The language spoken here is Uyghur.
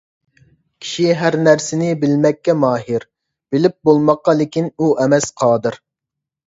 كىشى ھەر نەرسىنى بىلمەككە ماھىر. بىلىپ بولماققا لىكىن ئۇ ئەمەس قادىر.